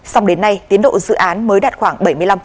xong đến nay tiến độ dự án mới đạt khoảng bảy mươi năm